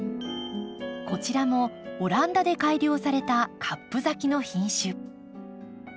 こちらもオランダで改良されたカップ咲きの品種。